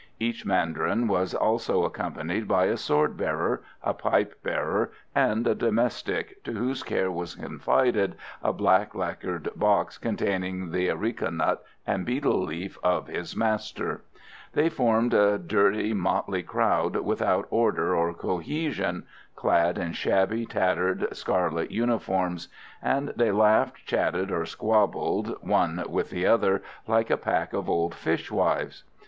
Each mandarin was also accompanied by a sword bearer, a pipe bearer, and a domestic to whose care was confided a black lacquered box containing the areca nut and betel leaf of his master. They formed a dirty, motley crowd, without order or cohesion clad in shabby, tattered scarlet uniforms; and they laughed, chatted or squabbled, one with the other, like a pack of old fishwives.